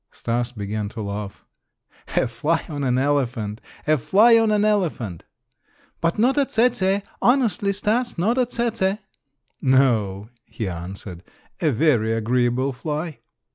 Stas began to laugh. "A fly on an elephant! A fly on an elephant!" "But not a tsetse! Honestly, Stas not a tsetse." "No," he answered, "a very agreeable fly."